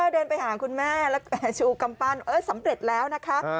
เดินไปหาคุณแม่แล้วก็ชูกำปั้นสำเร็จแล้วนะคะ